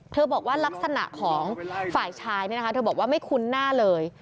บอกว่าลักษณะของฝ่ายชายเนี่ยนะคะเธอบอกว่าไม่คุ้นหน้าเลย